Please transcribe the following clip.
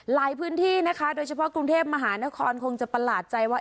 หลายพื้นที่นะคะโดยเฉพาะกรุงเทพมหานครคงจะประหลาดใจว่า